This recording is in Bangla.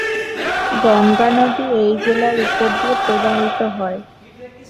গঙ্গা নদী এই জেলার উপর দিয়ে প্রবাহিত।